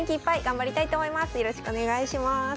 よろしくお願いします。